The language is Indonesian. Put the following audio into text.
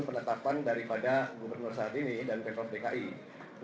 jadi kemudian dari usaha bisnis ujala ini yang menyediakan